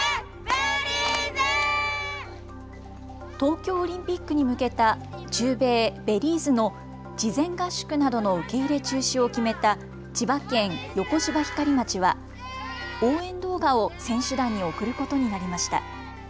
東京オリンピックに向けた中米・ベリーズの事前合宿などの受け入れ中止を決めた千葉県横芝光町は応援動画を選手団に贈ることになりました。